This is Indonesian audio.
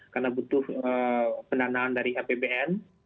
karena butuh pendanaan dari apbn